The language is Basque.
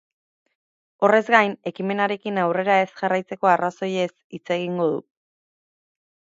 Horrez gain, ekimenarekin aurrera ez jarraitzeko arrazoiez hitz egingo du.